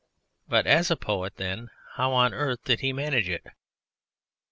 But as a poet, then, how on earth did he manage it?